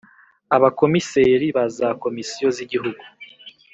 Abakomiseri ba za komisiyo z igihugu